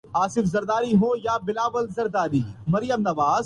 مثال کے طور پر انتخابی اصلاحات ہیں۔